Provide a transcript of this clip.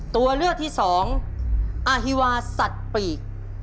ตัวเลือกที่สองอาฮิวาสัตว์ปีก